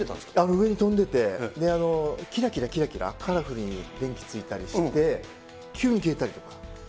上に飛んでて、きらきらきらきら、カラフルに電気ついたりして、急に消えたりとか。